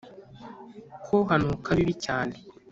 Ko hanuka bibi cyane